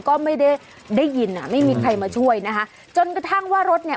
ก็ไม่ได้ได้ยินอ่ะไม่มีใครมาช่วยนะคะจนกระทั่งว่ารถเนี่ย